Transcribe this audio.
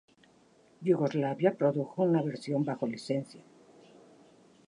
Yugoslavia produjo una versión bajo licencia.